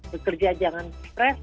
bekerja jangan stres